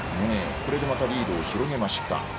これでリードを広げました。